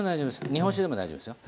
日本酒でも大丈夫ですよ。